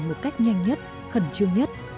một cách nhanh nhất khẩn trương nhất